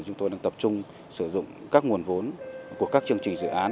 chúng tôi đang tập trung sử dụng các nguồn vốn của các chương trình dự án